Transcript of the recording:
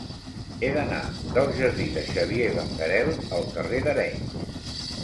He d'anar del jardí de Xavier Benguerel al carrer d'Arenys.